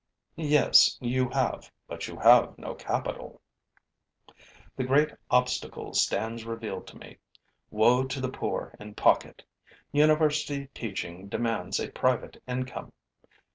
'Yes, you have; but you have no capital.' The great obstacle stands revealed to me: woe to the poor in pocket! University teaching demands a private income.